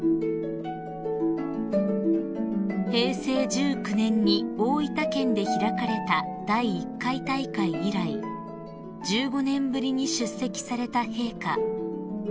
［平成１９年に大分県で開かれた第１回大会以来１５年ぶりに出席された陛下］